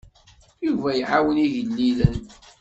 Yuba iɛawen igellilen.